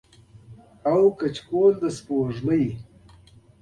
او کچکول د سپوږمۍ